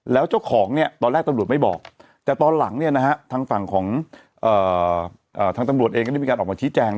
แล้วเจ้าของเนี่ยตอนแรกตำรวจไม่บอกแต่ตอนหลังทางฝั่งของทางตำรวจเองก็ได้มีการออกมาชี้แจง